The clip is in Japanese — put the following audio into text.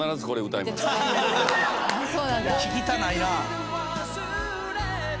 聴きたないな。